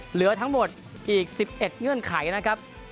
เหลือทั้งหมดอีก๑๑เงื่อนไขนะครับ